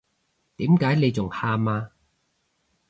點解你仲喊呀？